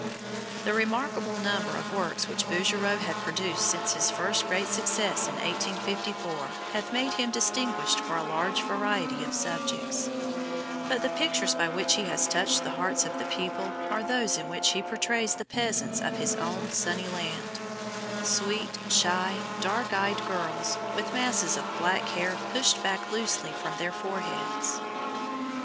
The remarkable number of works which Bouguereau has produced since his first great success in 1854 have made him distinguished for a large variety of subjects; but the pictures by which he has touched the hearts of the people are those in which he portrays the peasants of his own sunny land, sweet, shy, dark eyed girls, with masses of black hair pushed back loosely from their foreheads.